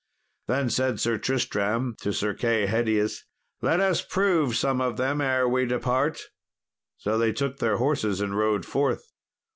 Then said Sir Tristram to Sir Kay Hedius, "Let us prove some of them ere we depart." So they took their horses and rode forth.